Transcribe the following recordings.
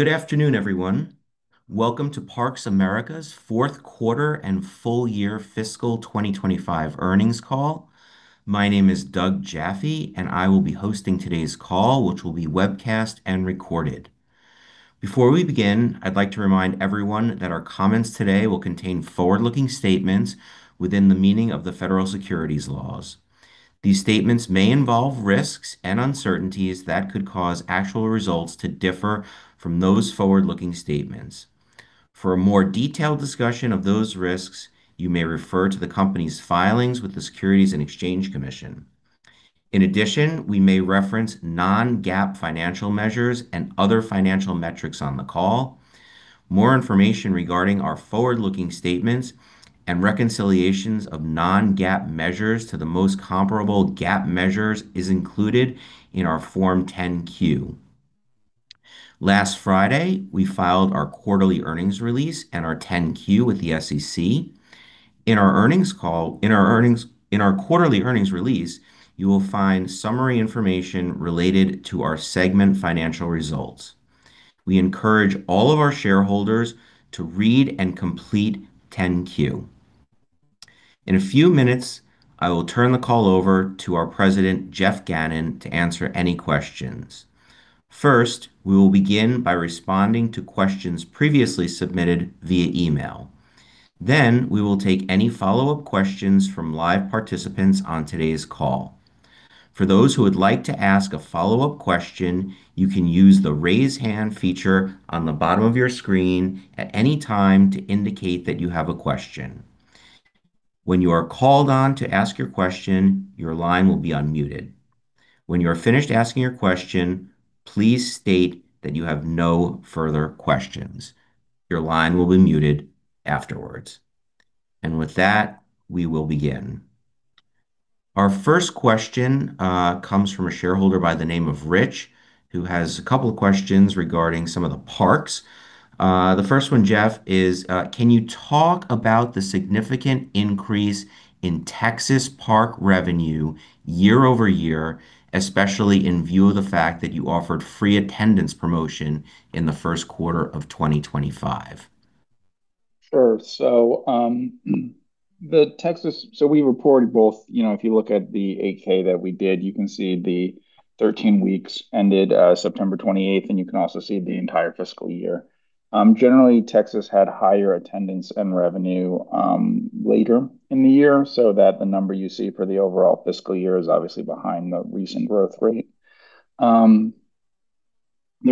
Good afternoon, everyone. Welcome to Parks! America's fourth quarter and full-year fiscal 2025 earnings call. My name is Doug Jaffe, and I will be hosting today's call, which will be webcast and recorded. Before we begin, I'd like to remind everyone that our comments today will contain forward-looking statements within the meaning of the federal securities laws. These statements may involve risks and uncertainties that could cause actual results to differ from those forward-looking statements. For a more detailed discussion of those risks, you may refer to the company's filings with the Securities and Exchange Commission. In addition, we may reference non-GAAP financial measures and other financial metrics on the call. More information regarding our forward-looking statements and reconciliations of non-GAAP measures to the most comparable GAAP measures is included in our Form 10-Q. Last Friday, we filed our quarterly earnings release and our Form 10-Q with the SEC. In our earnings call, in our quarterly earnings release, you will find summary information related to our segment financial results. We encourage all of our shareholders to read and complete Form 10-Q. In a few minutes, I will turn the call over to our President, Geoff Gannon, to answer any questions. First, we will begin by responding to questions previously submitted via email. Then, we will take any follow-up questions from live participants on today's call. For those who would like to ask a follow-up question, you can use the raise hand feature on the bottom of your screen at any time to indicate that you have a question. When you are called on to ask your question, your line will be unmuted. When you are finished asking your question, please state that you have no further questions. Your line will be muted afterwards. And with that, we will begin. Our first question comes from a shareholder by the name of Rich, who has a couple of questions regarding some of the parks. The first one, Geoff, is, "Can you talk about the significant increase in Texas park revenue year-over-year, especially in view of the fact that you offered free attendance promotion in the first quarter of 2025? Sure. So the Texas, so we reported both, you know, if you look at the Form 8-K that we did, you can see the 13 weeks ended September 28th, and you can also see the entire fiscal year. Generally, Texas had higher attendance and revenue later in the year, so that the number you see for the overall fiscal year is obviously behind the recent growth rate. The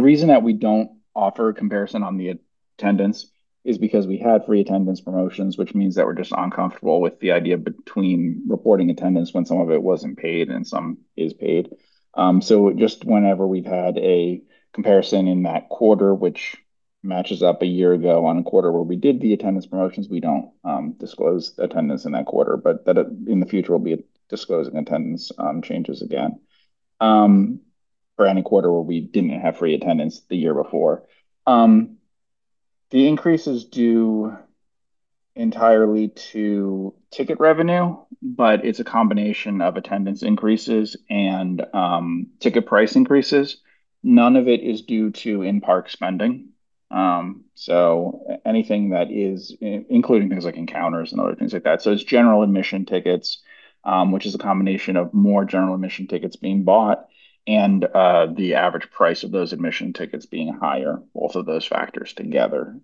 reason that we don't offer a comparison on the attendance is because we had free attendance promotions, which means that we're just uncomfortable with the idea between reporting attendance when some of it wasn't paid and some is paid. So just whenever we've had a comparison in that quarter, which matches up a year ago on a quarter where we did the attendance promotions, we don't disclose attendance in that quarter, but that in the future will be disclosing attendance changes again for any quarter where we didn't have free attendance the year before. The increase is due entirely to ticket revenue, but it's a combination of attendance increases and ticket price increases. None of it is due to in-park spending. So anything that is, including things like encounters and other things like that. So it's general admission tickets, which is a combination of more general admission tickets being bought and the average price of those admission tickets being higher. Both of those factors together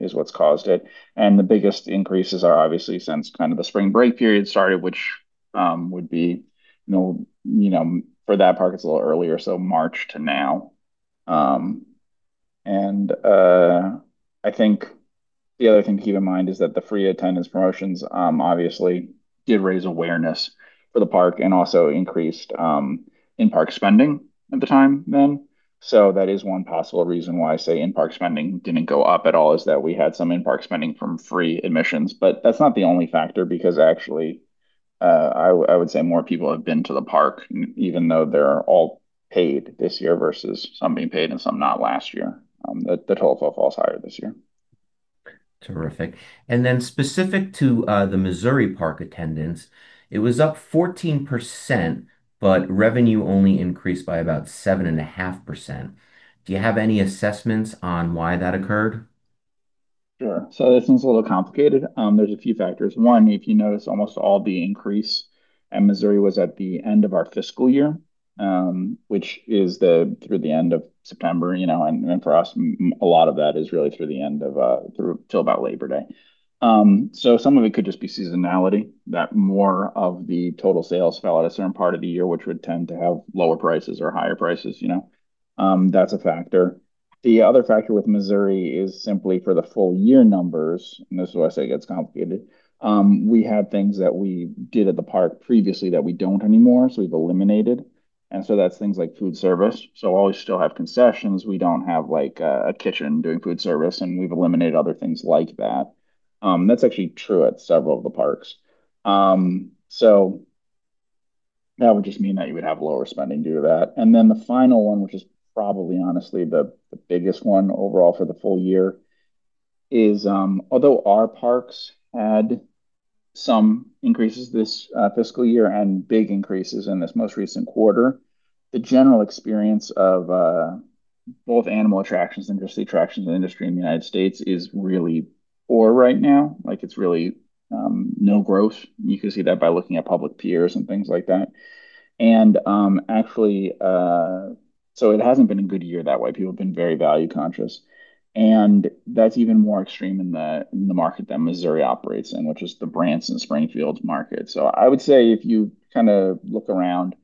is what's caused it. And the biggest increases are obviously since kind of the spring break period started, which would be, you know, for that park. It's a little earlier, so March to now. And I think the other thing to keep in mind is that the free attendance promotions obviously did raise awareness for the park and also increased in-park spending at the time then. So that is one possible reason why, say, in-park spending didn't go up at all, is that we had some in-park spending from free admissions. But that's not the only factor because actually, I would say more people have been to the park, even though they're all paid this year versus some being paid and some not last year. The total falls higher this year. Terrific, and then specific to the Missouri park attendance, it was up 14%, but revenue only increased by about 7.5%. Do you have any assessments on why that occurred? Sure. So this one's a little complicated. There's a few factors. One, if you notice, almost all the increase at Missouri was at the end of our fiscal year, which is through the end of September, you know, and for us, a lot of that is really through the end of, through till about Labor Day. So some of it could just be seasonality, that more of the total sales fell at a certain part of the year, which would tend to have lower prices or higher prices, you know. That's a factor. The other factor with Missouri is simply for the full year numbers, and this is where I say it gets complicated. We had things that we did at the park previously that we don't anymore, so we've eliminated. And so that's things like food service. So while we still have concessions, we don't have like a kitchen doing food service, and we've eliminated other things like that. That's actually true at several of the parks. So that would just mean that you would have lower spending due to that. And then the final one, which is probably, honestly, the biggest one overall for the full year, is although our parks had some increases this fiscal year and big increases in this most recent quarter, the general experience of both animal attractions and industry attractions and industry in the United States is really poor right now. Like it's really no growth. You can see that by looking at public peers and things like that. And actually, so it hasn't been a good year that way. People have been very value-conscious. And that's even more extreme in the market that Missouri operates in, which is the Branson and Springfield market. So I would say if you kind of look around,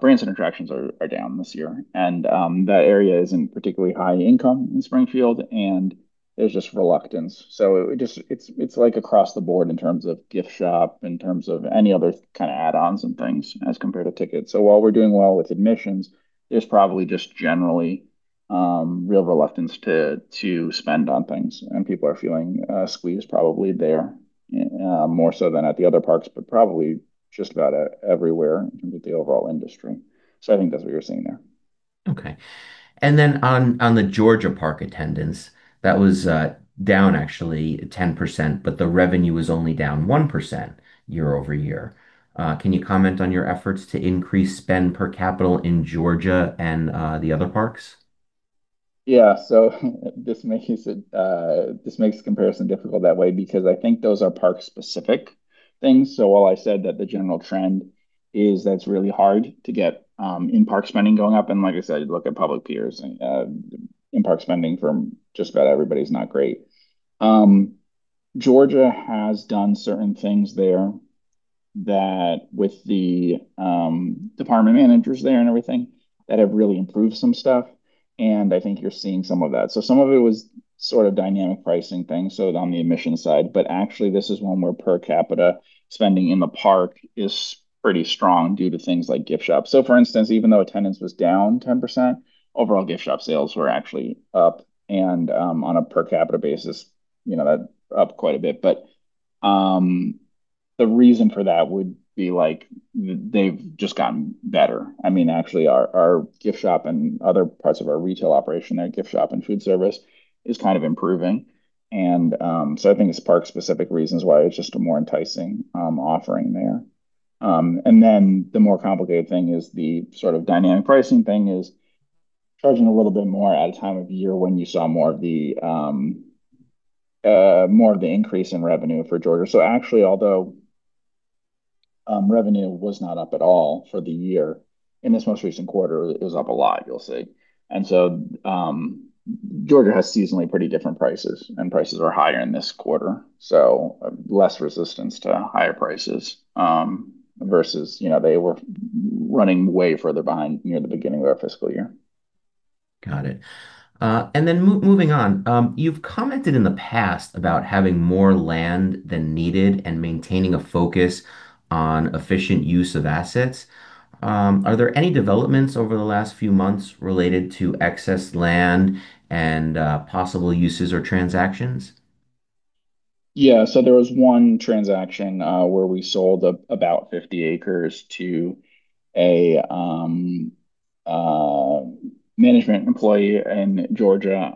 Branson attractions are down this year. And that area isn't particularly high income in Springfield, and there's just reluctance. So it just, it's like across the board in terms of gift shop, in terms of any other kind of add-ons and things as compared to tickets. So while we're doing well with admissions, there's probably just generally real reluctance to spend on things. And people are feeling squeezed probably there, more so than at the other parks, but probably just about everywhere in terms of the overall industry. So I think that's what you're seeing there. Okay. And then on the Georgia park attendance, that was down actually 10%, but the revenue was only down 1% year-over-year. Can you comment on your efforts to increase spend per capita in Georgia and the other parks? Yeah. So this makes the comparison difficult that way because I think those are park-specific things. So while I said that the general trend is that it's really hard to get in-park spending going up, and like I said, look at public peers, in-park spending from just about everybody's not great. Georgia has done certain things there that with the department managers there and everything that have really improved some stuff. And I think you're seeing some of that. So some of it was sort of dynamic pricing things on the admission side, but actually this is one where per capita spending in the park is pretty strong due to things like gift shop. So for instance, even though attendance was down 10%, overall gift shop sales were actually up. And on a per capita basis, you know, that's up quite a bit. But the reason for that would be like they've just gotten better. I mean, actually our gift shop and other parts of our retail operation there, food service is kind of improving. And so I think it's park-specific reasons why it's just a more enticing offering there. And then the more complicated thing is the sort of dynamic pricing thing is charging a little bit more at a time of year when you saw more of the increase in revenue for Georgia. So actually, although revenue was not up at all for the year in this most recent quarter, it was up a lot, you'll see. And so Georgia has seasonally pretty different prices, and prices are higher in this quarter. So less resistance to higher prices versus, you know, they were running way further behind near the beginning of our fiscal year. Got it. And then moving on, you've commented in the past about having more land than needed and maintaining a focus on efficient use of assets. Are there any developments over the last few months related to excess land and possible uses or transactions? Yeah. So there was one transaction where we sold about 50 acres to a management employee in Georgia,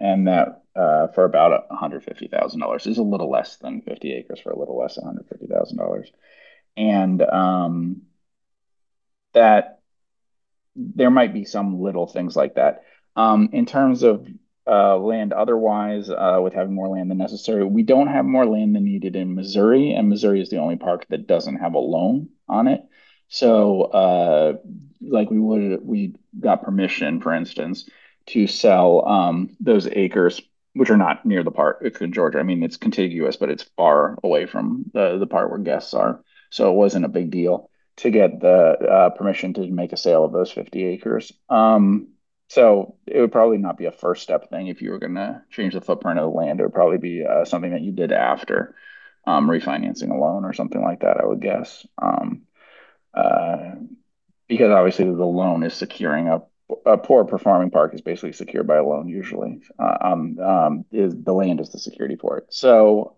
and that for about $150,000. It's a little less than 50 acres for a little less than $150,000. And that there might be some little things like that. In terms of land otherwise, with having more land than necessary, we don't have more land than needed in Missouri, and Missouri is the only park that doesn't have a loan on it. Like we would, we got permission, for instance, to sell those acres, which are not near the park. It's in Georgia. I mean, it's contiguous, but it's far away from the park where guests are. It wasn't a big deal to get the permission to make a sale of those 50 acres. So it would probably not be a first step thing if you were going to change the footprint of the land. It would probably be something that you did after refinancing a loan or something like that, I would guess. Because obviously the loan is securing a poor performing park is basically secured by a loan usually. The land is the security for it. So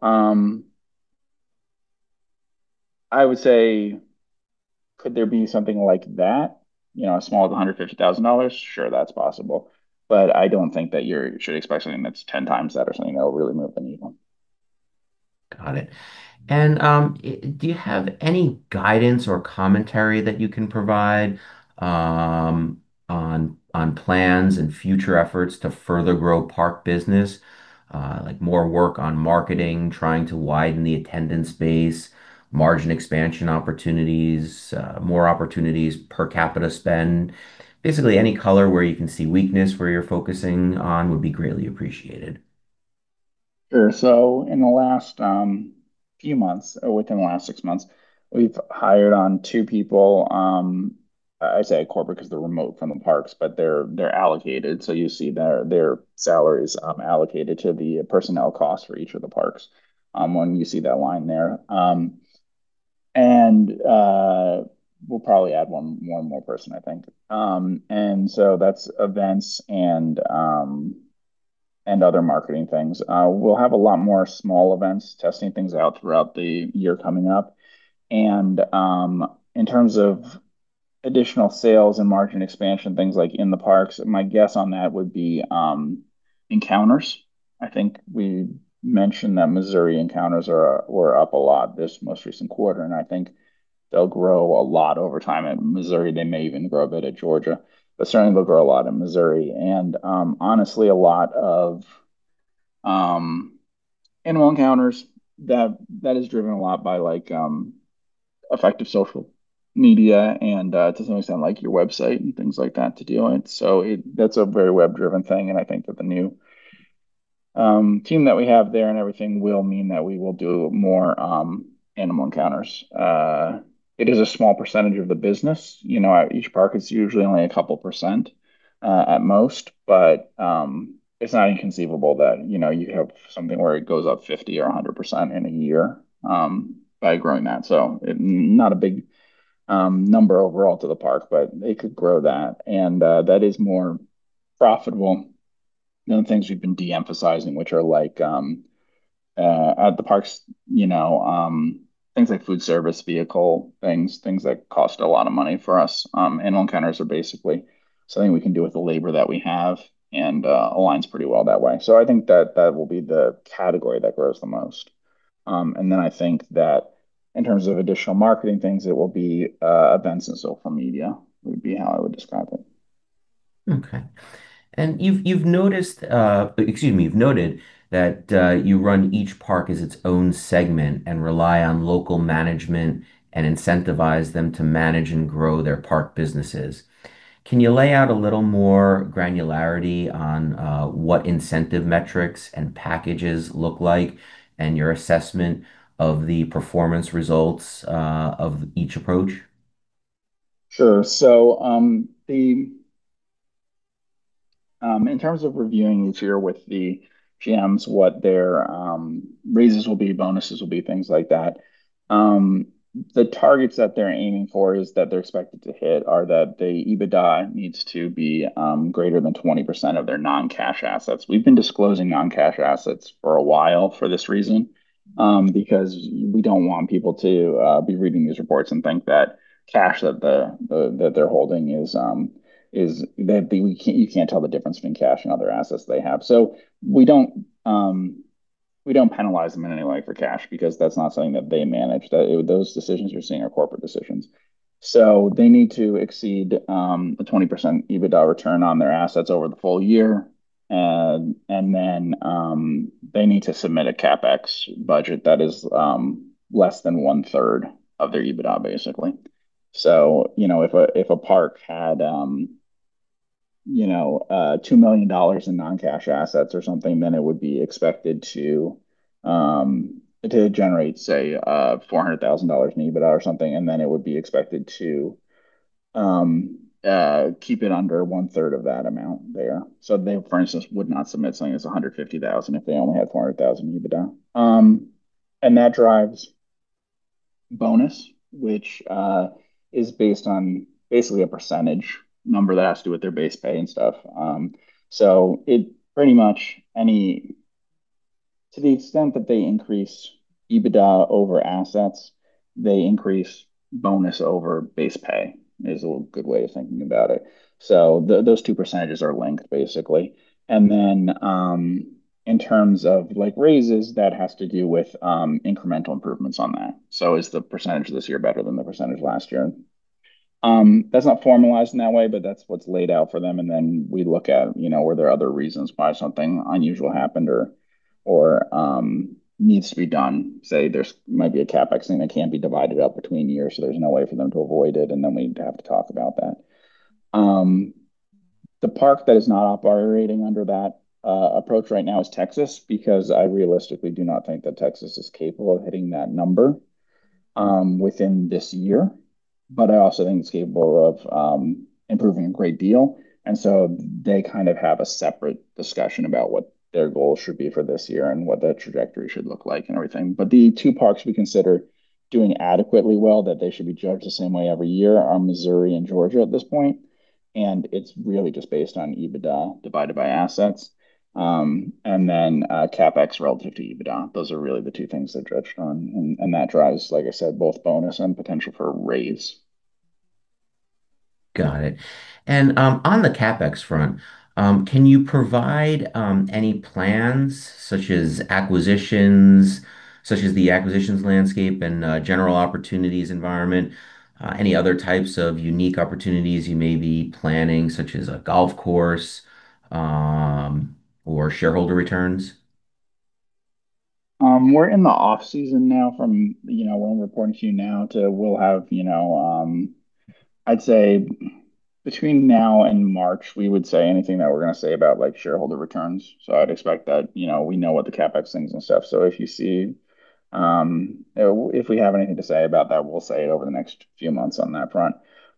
I would say, could there be something like that, you know, as small as $150,000? Sure, that's possible. But I don't think that you should expect something that's 10 times that or something that will really move the needle. Got it. And do you have any guidance or commentary that you can provide on plans and future efforts to further grow park business, like more work on marketing, trying to widen the attendance base, margin expansion opportunities, more opportunities per capita spend? Basically, any color where you can see weakness, where you're focusing on would be greatly appreciated. Sure. So in the last few months, within the last six months, we've hired on two people. I say a corporate because they're remote from the parks, but they're allocated. So you see their salaries allocated to the personnel costs for each of the parks when you see that line there. And we'll probably add one more person, I think. And so that's events and other marketing things. We'll have a lot more small events testing things out throughout the year coming up. And in terms of additional sales and margin expansion, things like in the parks, my guess on that would be encounters. I think we mentioned that Missouri encounters were up a lot this most recent quarter, and I think they'll grow a lot over time in Missouri. They may even grow a bit at Georgia, but certainly they'll grow a lot in Missouri. Honestly, a lot of animal encounters, that is driven a lot by like effective social media and to some extent like your website and things like that to do it. That's a very web-driven thing. I think that the new team that we have there and everything will mean that we will do more animal encounters. It is a small percentage of the business. You know, each park is usually only a couple percent at most, but it's not inconceivable that, you know, you have something where it goes up 50% or 100% in a year by growing that. Not a big number overall to the park, but it could grow that. That is more profitable than the things we've been de-emphasizing, which are like at the parks, you know, things like food service, vehicle things, things that cost a lot of money for us. Animal encounters are basically something we can do with the labor that we have and aligns pretty well that way, so I think that that will be the category that grows the most, and then I think that in terms of additional marketing things, it will be events and social media would be how I would describe it. Okay, and you've noticed, excuse me, you've noted that you run each park as its own segment and rely on local management and incentivize them to manage and grow their park businesses. Can you lay out a little more granularity on what incentive metrics and packages look like and your assessment of the performance results of each approach? Sure. So in terms of reviewing each year with the GMs, what their raises will be, bonuses will be, things like that, the targets that they're aiming for is that they're expected to hit are that the EBITDA needs to be greater than 20% of their non-cash assets. We've been disclosing non-cash assets for a while for this reason because we don't want people to be reading these reports and think that cash that they're holding is that you can't tell the difference between cash and other assets they have. So we don't penalize them in any way for cash because that's not something that they manage. Those decisions you're seeing are corporate decisions. So they need to exceed a 20% EBITDA return on their assets over the full year. And then they need to submit a CapEx budget that is less than one third of their EBITDA, basically. So, you know, if a park had, you know, $2 million in non-cash assets or something, then it would be expected to generate, say, $400,000 in EBITDA or something, and then it would be expected to keep it under one third of that amount there. So they, for instance, would not submit something that's $150,000 if they only had $400,000 EBITDA. And that drives bonus, which is based on basically a percentage number that has to do with their base pay and stuff. So it pretty much any to the extent that they increase EBITDA over assets, they increase bonus over base pay is a good way of thinking about it. So those two percentages are linked, basically. And then in terms of like raises, that has to do with incremental improvements on that. So is the percentage this year better than the percentage last year? That's not formalized in that way, but that's what's laid out for them. And then we look at, you know, were there other reasons why something unusual happened or needs to be done. Say there might be a CapEx thing that can't be divided up between years, so there's no way for them to avoid it. And then we'd have to talk about that. The park that is not operating under that approach right now is Texas because I realistically do not think that Texas is capable of hitting that number within this year. But I also think it's capable of improving a great deal. And so they kind of have a separate discussion about what their goal should be for this year and what that trajectory should look like and everything. But the two parks we consider doing adequately well that they should be judged the same way every year are Missouri and Georgia at this point. And it's really just based on EBITDA divided by assets. And then CapEx relative to EBITDA. Those are really the two things they're judged on. And that drives, like I said, both bonus and potential for raise. Got it. And on the CapEx front, can you provide any plans such as acquisitions, such as the acquisitions landscape and general opportunities environment, any other types of unique opportunities you may be planning, such as a golf course or shareholder returns? We're in the off-season now from, you know, when we're reporting to you now to we'll have, you know, I'd say between now and March. We would say anything that we're going to say about like shareholder returns. So I'd expect that, you know, we know what the CapEx things and stuff. So if you see, if we have anything to say about that, we'll say it over the next few months on that front.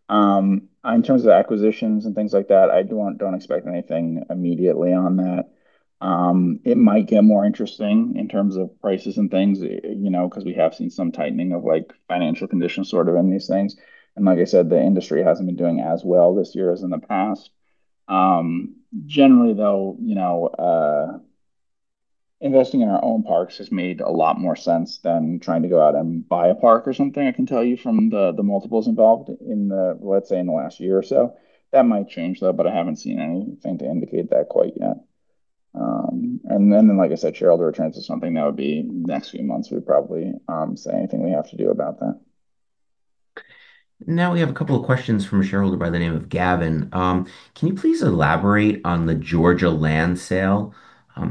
In terms of acquisitions and things like that, I don't expect anything immediately on that. It might get more interesting in terms of prices and things, you know, because we have seen some tightening of like financial conditions sort of in these things, and like I said, the industry hasn't been doing as well this year as in the past. Generally, though, you know, investing in our own parks has made a lot more sense than trying to go out and buy a park or something. I can tell you from the multiples involved in the, let's say, in the last year or so. That might change though, but I haven't seen anything to indicate that quite yet. And then, like I said, shareholder returns is something that would be next few months we'd probably say anything we have to do about that. Now we have a couple of questions from a shareholder by the name of Gavin. Can you please elaborate on the Georgia land sale?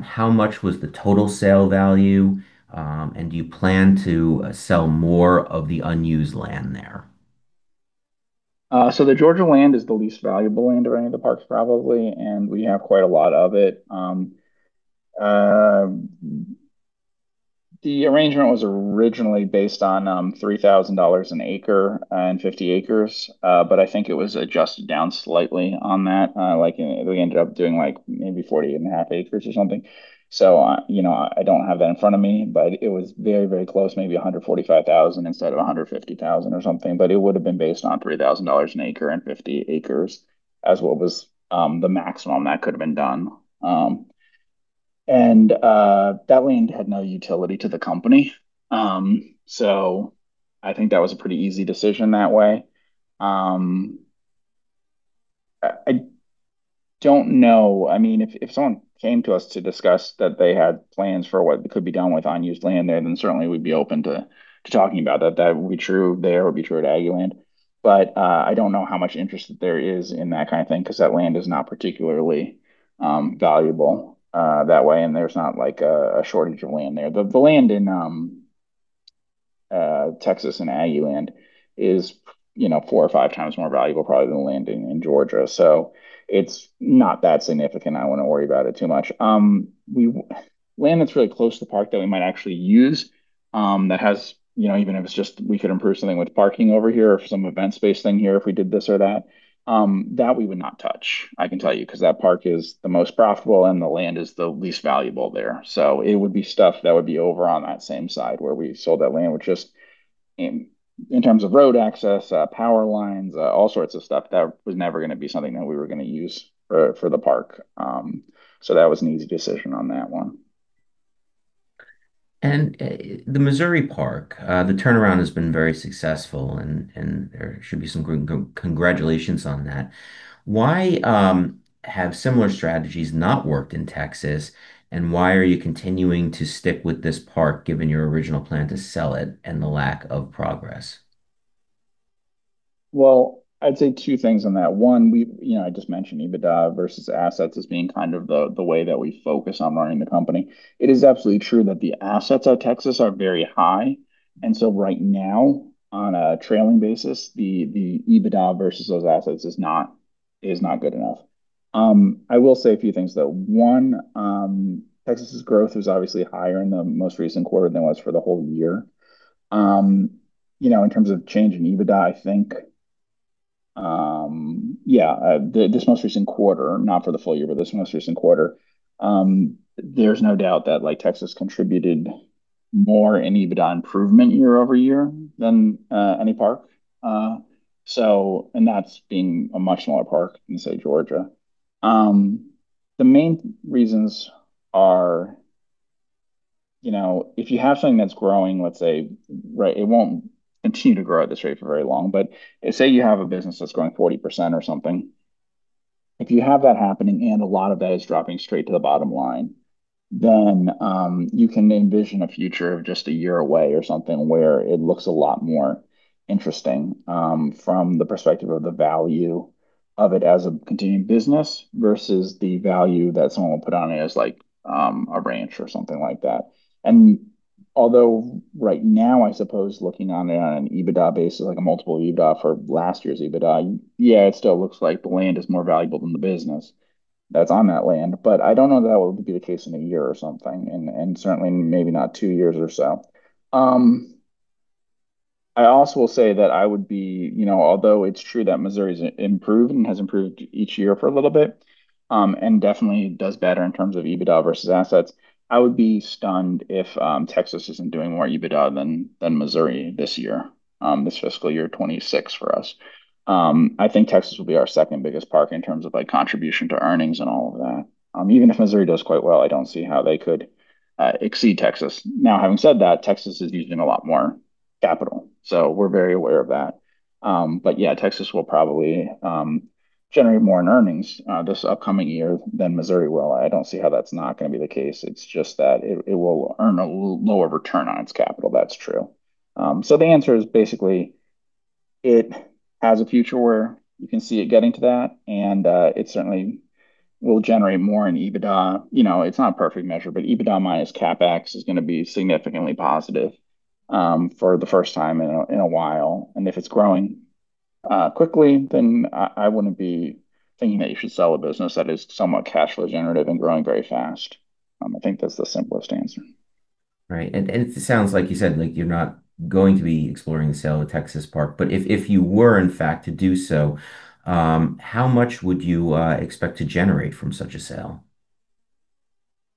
How much was the total sale value? And do you plan to sell more of the unused land there? So the Georgia land is the least valuable land of any of the parks probably, and we have quite a lot of it. The arrangement was originally based on $3,000 an acre and 50 acres, but I think it was adjusted down slightly on that. Like we ended up doing like maybe 40 and a half acres or something. So, you know, I don't have that in front of me, but it was very, very close, maybe $145,000 instead of $150,000 or something. But it would have been based on $3,000 an acre and 50 acres as what was the maximum that could have been done. And that land had no utility to the company. So I think that was a pretty easy decision that way. I don't know. I mean, if someone came to us to discuss that they had plans for what could be done with unused land, then certainly we'd be open to talking about that. That would be true there. It would be true at Aggieland. But I don't know how much interest there is in that kind of thing because that land is not particularly valuable that way. And there's not like a shortage of land there. The land in Texas and Aggieland is, you know, four or five times more valuable probably than the land in Georgia. So it's not that significant. I wouldn't worry about it too much. Land that's really close to the park that we might actually use that has, you know, even if it's just we could improve something with parking over here or some event space thing here if we did this or that, that we would not touch. I can tell you, because that park is the most profitable and the land is the least valuable there. So it would be stuff that would be over on that same side where we sold that land, which just in terms of road access, power lines, all sorts of stuff that was never going to be something that we were going to use for the park. So that was an easy decision on that one. The Missouri park, the turnaround has been very successful, and there should be some congratulations on that. Why have similar strategies not worked in Texas, and why are you continuing to stick with this park given your original plan to sell it and the lack of progress? I'd say two things on that. One, you know, I just mentioned EBITDA versus assets as being kind of the way that we focus on running the company. It is absolutely true that the assets at Texas are very high. And so right now, on a trailing basis, the EBITDA versus those assets is not good enough. I will say a few things though. One, Texas's growth is obviously higher in the most recent quarter than it was for the whole year. You know, in terms of change in EBITDA, I think, yeah, this most recent quarter, not for the full year, but this most recent quarter, there's no doubt that like Texas contributed more in EBITDA improvement year-over-year than any park. So, and that's being a much smaller park than, say, Georgia. The main reasons are, you know, if you have something that's growing, let's say, right, it won't continue to grow at this rate for very long, but say you have a business that's growing 40% or something. If you have that happening and a lot of that is dropping straight to the bottom line, then you can envision a future of just a year away or something where it looks a lot more interesting from the perspective of the value of it as a continuing business versus the value that someone will put on it as like a ranch or something like that, and although right now, I suppose looking on it on an EBITDA basis, like a multiple EBITDA for last year's EBITDA, yeah, it still looks like the land is more valuable than the business that's on that land. But I don't know that that will be the case in a year or something, and certainly maybe not two years or so. I also will say that I would be, you know, although it's true that Missouri has improved and has improved each year for a little bit and definitely does better in terms of EBITDA versus assets, I would be stunned if Texas isn't doing more EBITDA than Missouri this year, this fiscal year 2026 for us. I think Texas will be our second biggest park in terms of like contribution to earnings and all of that. Even if Missouri does quite well, I don't see how they could exceed Texas. Now, having said that, Texas is using a lot more capital. So we're very aware of that. But yeah, Texas will probably generate more in earnings this upcoming year than Missouri will. I don't see how that's not going to be the case. It's just that it will earn a lower return on its capital. That's true. So the answer is basically it has a future where you can see it getting to that, and it certainly will generate more in EBITDA. You know, it's not a perfect measure, but EBITDA minus CapEx is going to be significantly positive for the first time in a while, and if it's growing quickly, then I wouldn't be thinking that you should sell a business that is somewhat cash flow generative and growing very fast. I think that's the simplest answer. Right. And it sounds like you said like you're not going to be exploring the sale of Texas park, but if you were in fact to do so, how much would you expect to generate from such a sale?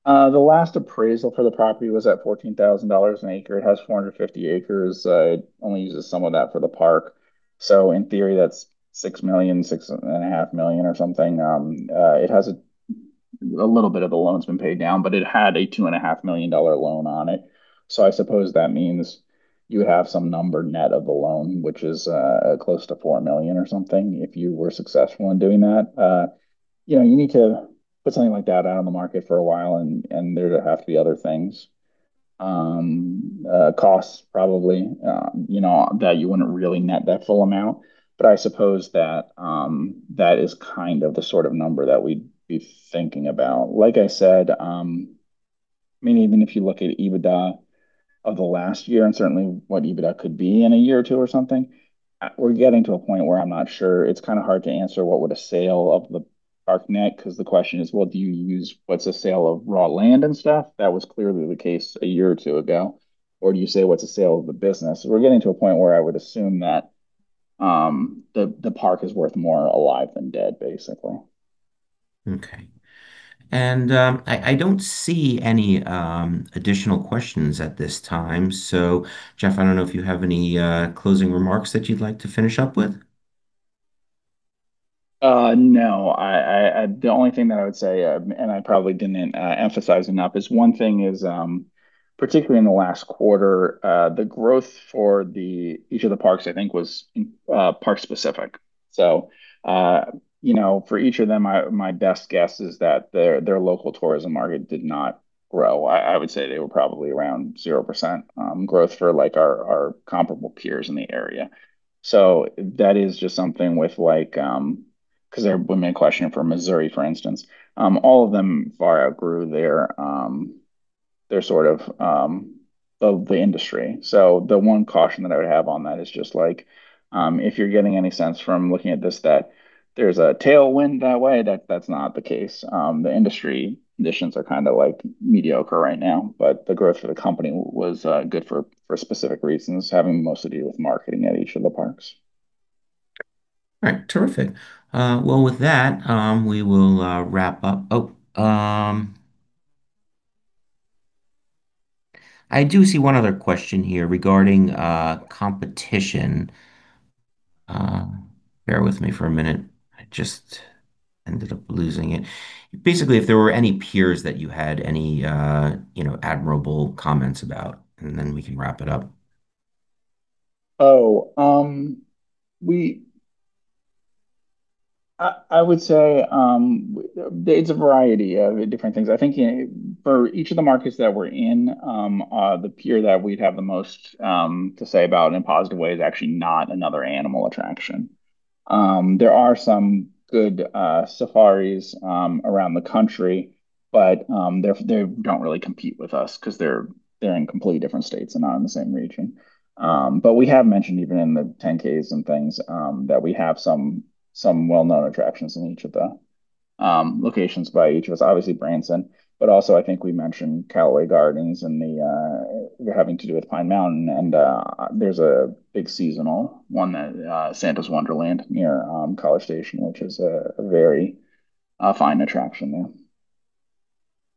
The last appraisal for the property was at $14,000 an acre. It has 450 acres. It only uses some of that for the park, so in theory, that's $6 million-$6.5 million or something. It has a little bit of the loans been paid down, but it had a $2.5 million loan on it, so I suppose that means you would have some number net of the loan, which is close to $4 million or something if you were successful in doing that. You know, you need to put something like that out on the market for a while, and there would have to be other things. Costs probably, you know, that you wouldn't really net that full amount, but I suppose that that is kind of the sort of number that we'd be thinking about. Like I said, I mean, even if you look at EBITDA of the last year and certainly what EBITDA could be in a year or two or something, we're getting to a point where I'm not sure. It's kind of hard to answer what would a sale of the park net because the question is, well, do you use what's a sale of raw land and stuff? That was clearly the case a year or two ago. Or do you say what's a sale of the business? We're getting to a point where I would assume that the park is worth more alive than dead, basically. Okay. And I don't see any additional questions at this time. So, Geoff, I don't know if you have any closing remarks that you'd like to finish up with. No. The only thing that I would say, and I probably didn't emphasize enough, is one thing is particularly in the last quarter, the growth for each of the parks, I think, was park specific. So, you know, for each of them, my best guess is that their local tourism market did not grow. I would say they were probably around 0% growth for like our comparable peers in the area. So that is just something with like because there would be a question for Missouri, for instance. All of them far outgrew their sort of the industry. So the one caution that I would have on that is just like if you're getting any sense from looking at this that there's a tailwind that way, that's not the case. The industry conditions are kind of like mediocre right now, but the growth for the company was good for specific reasons, having most to do with marketing at each of the parks. All right. Terrific. Well, with that, we will wrap up. Oh. I do see one other question here regarding competition. Bear with me for a minute. I just ended up losing it. Basically, if there were any peers that you had any, you know, admirable comments about, and then we can wrap it up. Oh. I would say it's a variety of different things. I think for each of the markets that we're in, the peer that we'd have the most to say about in positive ways is actually not another animal attraction. There are some good safaris around the country, but they don't really compete with us because they're in completely different states and not in the same region. But we have mentioned even in the Form 10-Ks and things that we have some well-known attractions in each of the locations by each of us, obviously Branson, but also I think we mentioned Callaway Gardens and the having to do with Pine Mountain. And there's a big seasonal one that Santa's Wonderland near College Station, which is a very fine attraction there.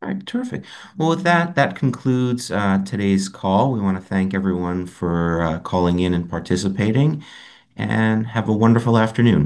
All right. Terrific. Well, with that, that concludes today's call. We want to thank everyone for calling in and participating, and have a wonderful afternoon.